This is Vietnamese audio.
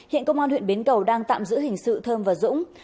hiện công an huyện bến cầu đang tạm giữ hình sự thơm và dũng